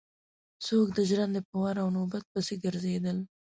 څوک د ژرندې په وار او نوبت پسې ګرځېدل.